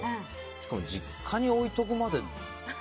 しかも実家に置いておくまで。